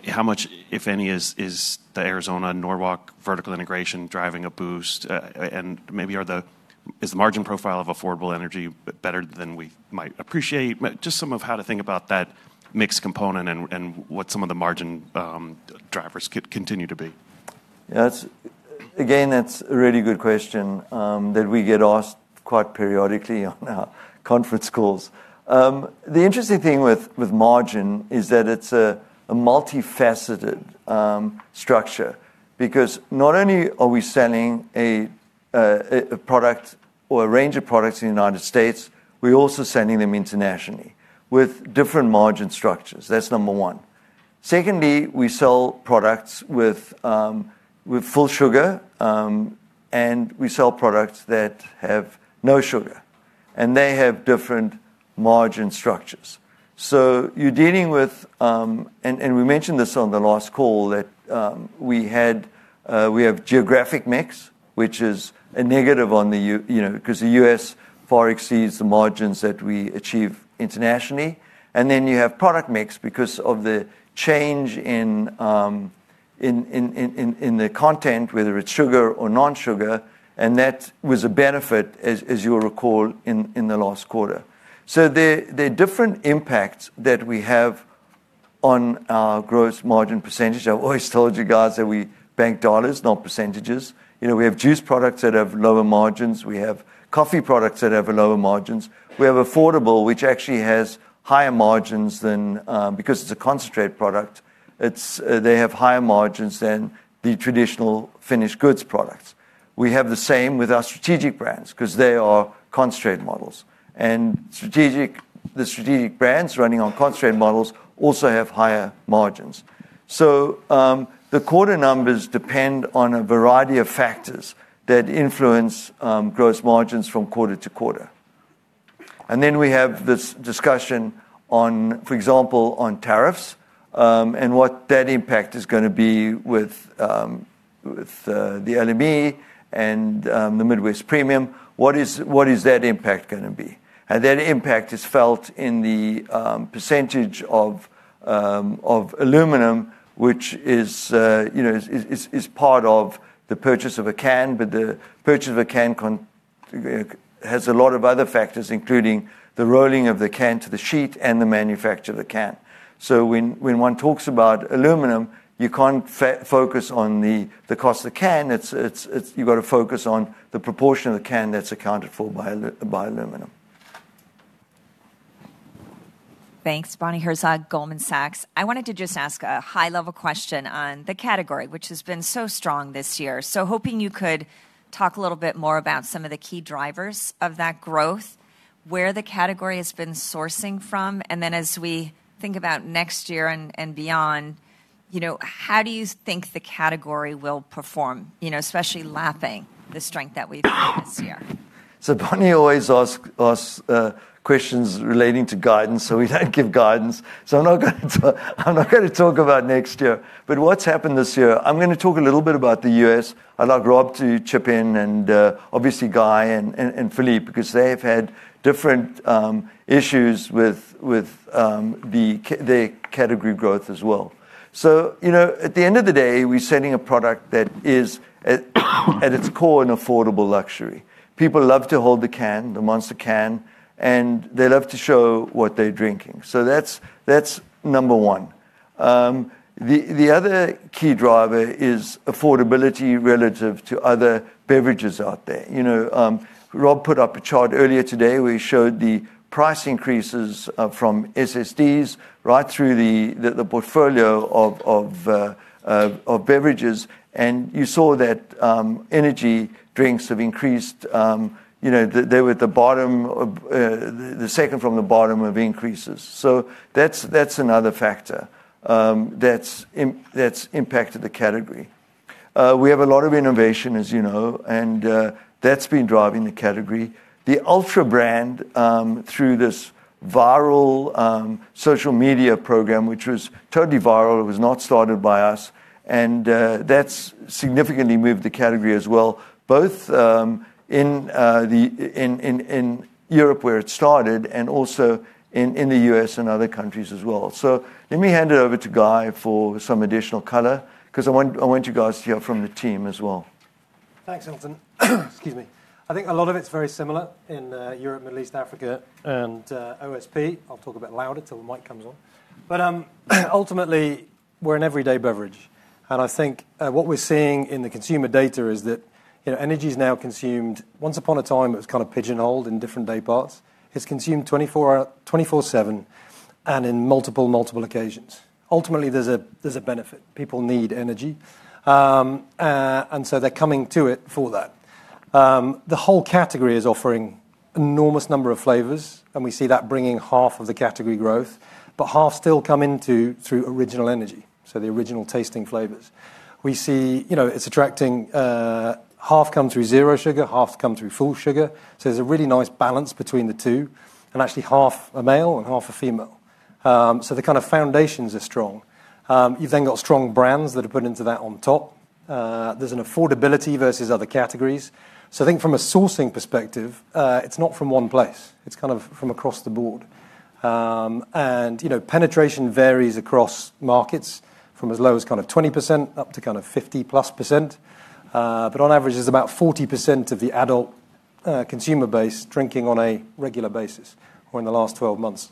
How much, if any, is the Arizona-Norwalk vertical integration driving a boost? And maybe is the margin profile of affordable energy better than we might appreciate? Just some of how to think about that mixed component and what some of the margin drivers continue to be. Yeah. Again, that's a really good question that we get asked quite periodically on our conference calls. The interesting thing with margin is that it's a multifaceted structure because not only are we selling a product or a range of products in the United States, we're also selling them internationally with different margin structures. That's number one. Secondly, we sell products with full sugar, and we sell products that have no sugar. And they have different margin structures. So you're dealing with, and we mentioned this on the last call, that we have geographic mix, which is a negative on the margin because the U.S. far exceeds the margins that we achieve internationally. And then you have product mix because of the change in the content, whether it's sugar or non-sugar. And that was a benefit, as you'll recall, in the last quarter. So, there are different impacts that we have on our gross margin percentage. I've always told you guys that we bank dollars, not percentages. We have juice products that have lower margins. We have coffee products that have lower margins. We have affordable, which actually has higher margins than because it's a concentrate product. They have higher margins than the traditional finished goods products. We have the same with our strategic brands because they are concentrate models. And the strategic brands running on concentrate models also have higher margins. So the quarter numbers depend on a variety of factors that influence gross margins from quarter to quarter. And then we have this discussion, for example, on tariffs and what that impact is going to be with the LME and the Midwest Premium. What is that impact going to be? And that impact is felt in the percentage of aluminum, which is part of the purchase of a can. But the purchase of a can has a lot of other factors, including the rolling of the can to the sheet and the manufacture of the can. So when one talks about aluminum, you can't focus on the cost of the can. You've got to focus on the proportion of the can that's accounted for by aluminum. Thanks. Bonnie Herzog, Goldman Sachs. I wanted to just ask a high-level question on the category, which has been so strong this year. So hoping you could talk a little bit more about some of the key drivers of that growth, where the category has been sourcing from. And then as we think about next year and beyond, how do you think the category will perform, especially lapping the strength that we've had this year? So, Bonnie always asks questions relating to guidance, so we don't give guidance. So, I'm not going to talk about next year. But what's happened this year, I'm going to talk a little bit about the U.S. I'd like Rob to chip in and obviously Guy and Philippe because they've had different issues with their category growth as well. So, at the end of the day, we're selling a product that is at its core an affordable luxury. People love to hold the can, the Monster can, and they love to show what they're drinking. So that's number one. The other key driver is affordability relative to other beverages out there. Rob put up a chart earlier today where he showed the price increases from SSDs right through the portfolio of beverages. And you saw that energy drinks have increased. They were at the bottom, the second from the bottom of increases, so that's another factor that's impacted the category. We have a lot of innovation, as you know, and that's been driving the category. The Ultra brand, through this viral social media program, which was totally viral, was not started by us, and that's significantly moved the category as well, both in Europe where it started and also in the U.S. and other countries as well, so let me hand it over to Guy for some additional color because I want you guys to hear from the team as well. Thanks, Hilton. Excuse me. I think a lot of it's very similar in Europe, Middle East, Africa, and OSP. I'll talk a bit louder till the mic comes on. But ultimately, we're an everyday beverage. And I think what we're seeing in the consumer data is that energy is now consumed. Once upon a time, it was kind of pigeonholed in different day parts. It's consumed 24/7 and in multiple, multiple occasions. Ultimately, there's a benefit. People need energy. And so they're coming to it for that. The whole category is offering an enormous number of flavors. And we see that bringing half of the category growth, but half still come in through original energy, so the original tasting flavors. We see it's attracting half come through zero sugar, half come through full sugar. So there's a really nice balance between the two, and actually half a male and half a female. So the kind of foundations are strong. You've then got strong brands that are put into that on top. There's an affordability versus other categories. So I think from a sourcing perspective, it's not from one place. It's kind of from across the board. And penetration varies across markets from as low as kind of 20% up to kind of 50%+. But on average, there's about 40% of the adult consumer base drinking on a regular basis or in the last 12 months.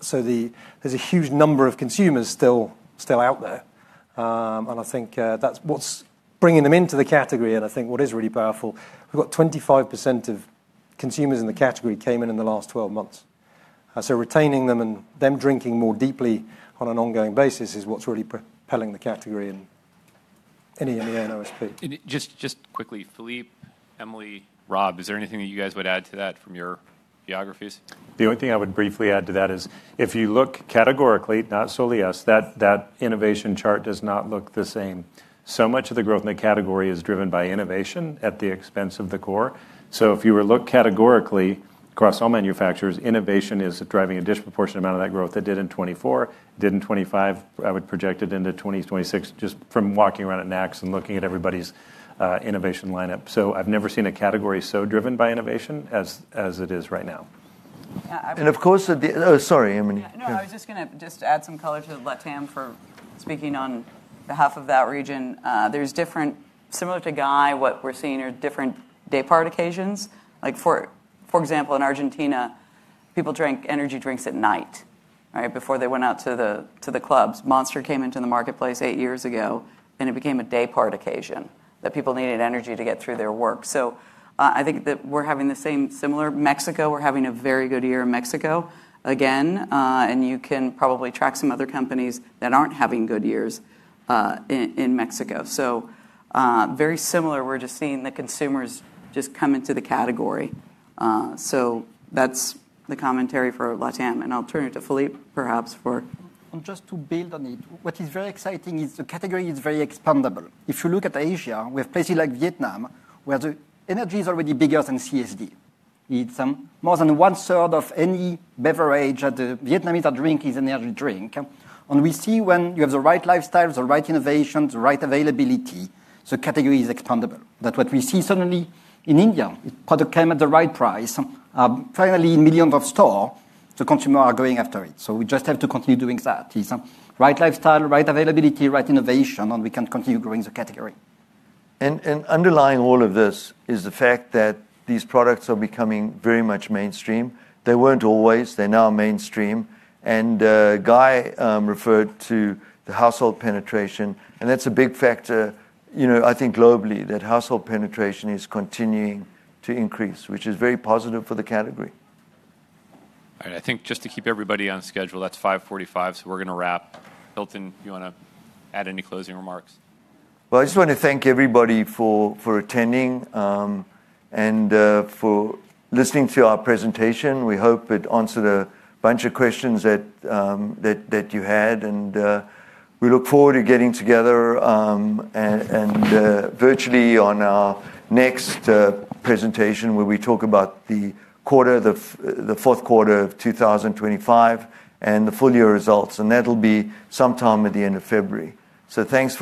So there's a huge number of consumers still out there. And I think that's what's bringing them into the category. And I think what is really powerful, we've got 25% of consumers in the category came in in the last 12 months. So retaining them and them drinking more deeply on an ongoing basis is what's really propelling the category in EMEA and OSP. Just quickly, Philippe, Emilie, Rob, is there anything that you guys would add to that from your geographies? The only thing I would briefly add to that is if you look categorically, not solely us, that innovation chart does not look the same. So much of the growth in the category is driven by innovation at the expense of the core. So if you were to look categorically across all manufacturers, innovation is driving a disproportionate amount of that growth. It did in 2024. It did in 2025. I would project it into 2026 just from walking around at NACS and looking at everybody's innovation lineup. So I've never seen a category so driven by innovation as it is right now. And of course, sorry, Emelie. No, I was just going to add some color to LATAM for speaking on behalf of that region. There are different, similar to Guy, what we're seeing are different day-part occasions. For example, in Argentina, people drank energy drinks at night before they went out to the clubs. Monster came into the marketplace eight years ago, and it became a day-part occasion that people needed energy to get through their work. So I think that we're having the same similar Mexico. We're having a very good year in Mexico again. And you can probably track some other companies that aren't having good years in Mexico. So very similar. We're just seeing the consumers just come into the category. So that's the commentary for LATAM. And I'll turn it to Philippe, perhaps, for. And just to build on it, what is very exciting is the category is very expandable. If you look at Asia, we have places like Vietnam where the energy is already bigger than CSD. It's more than one-third of any beverage that the Vietnamese are drinking is an energy drink. And we see when you have the right lifestyles, the right innovations, the right availability, the category is expandable. That's what we see suddenly in India. The product came at the right price. Finally, in millions of stores, the consumer are going after it. So we just have to continue doing that. It's right lifestyle, right availability, right innovation, and we can continue growing the category. Underlying all of this is the fact that these products are becoming very much mainstream. They weren't always. They're now mainstream. And Guy referred to the household penetration. And that's a big factor, I think, globally, that household penetration is continuing to increase, which is very positive for the category. All right. I think just to keep everybody on schedule, that's 5:45 P.M., so we're going to wrap. Hilton, do you want to add any closing remarks? I just want to thank everybody for attending and for listening to our presentation. We hope it answered a bunch of questions that you had. We look forward to getting together virtually on our next presentation where we talk about the quarter, the fourth quarter of 2025, and the full year results. That'll be sometime at the end of February. Thanks.